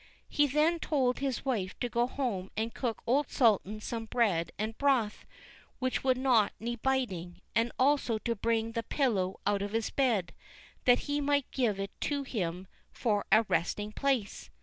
He then told his wife to go home and cook old Sultan some bread and broth, which would not need biting, and also to bring the pillow out of his bed, that he might give it to him for a resting place.